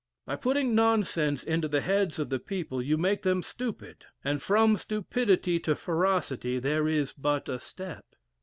By putting nonsense into the heads of the people, you make them stupid; and from stupidity to ferocity there is but a step.